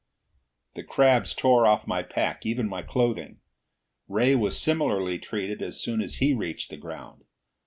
The crabs tore off my pack, even my clothing. Ray was similarly treated as soon as he reached the ground.